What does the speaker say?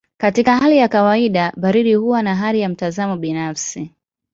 Katika hali ya kawaida baridi huwa ni hali ya mtazamo binafsi.